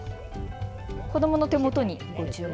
子どもの手元にご注目。